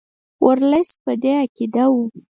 ورلسټ په دې عقیده وو.